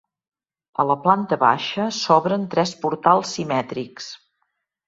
A la planta baixa s'obren tres portals simètrics.